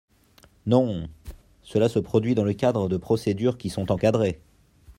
Non ! Cela se produit dans le cadre de procédures qui sont encadrées.